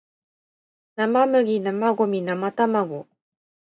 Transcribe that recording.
生麦生ゴミ生卵